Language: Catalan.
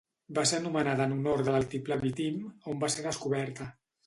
Va ser anomenada en honor de l'altiplà Vitim, on va ser descoberta.